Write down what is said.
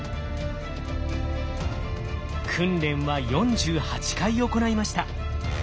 訓練は４８回行いました。